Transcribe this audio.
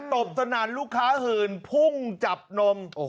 ตบสนั่นลูกค้าหื่นพุ่งจับนม